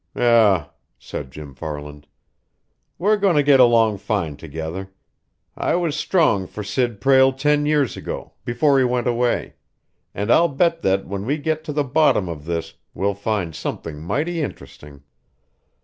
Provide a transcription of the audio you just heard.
"Um!" said Jim Farland. "We're going to get along fine together. I was strong for Sid Prale ten years ago, before he went away. And I'll bet that, when we get to the bottom of this, we'll find something mighty interesting."